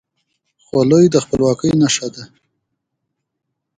خولۍ د خپلواکۍ نښه ده.